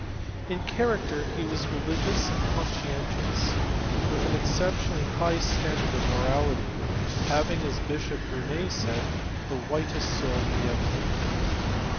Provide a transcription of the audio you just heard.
In character he was religious and conscientious, with an exceptionally high standard of morality, having, as Bishop Burnet said, "the whitest soul" he ever knew.